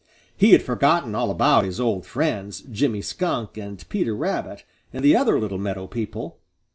He had forgotten all about his old friends, Jimmy Skunk and Peter Rabbit and the other little meadow people.